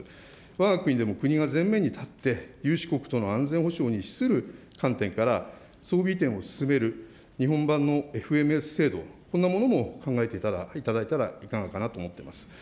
わが国でも国が前面に立って、有志国との安全保障に資する観点から、装備移転を進める、日本版のＦＭＳ制度、こんなものも考えていただいたらいかがかなと思ってます。